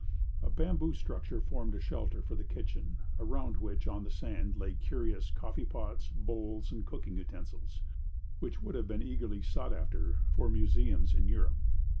A bamboo structure formed a shelter for the kitchen, around which, on the sand, lay curious coffee pots, bowls, and cooking utensils, which would have been eagerly sought after for museums in Europe.